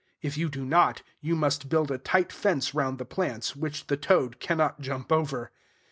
If you do not, you must build a tight fence round the plants, which the toad cannot jump over.